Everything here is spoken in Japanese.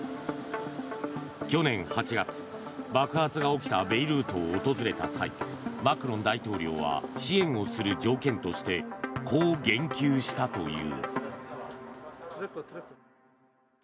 去年８月、爆発が起きたベイルートを訪れた際マクロン大統領は支援をする条件としてこう言及したという。